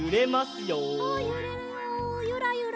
ゆれるよゆらゆら。